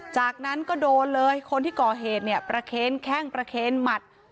จากนั้นก็โดนเลยคนที่ก่อเหตุแข้งประเข็นหมัด